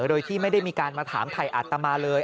โดยที่ไม่ได้มีการมาถามถ่ายอาตมาเลย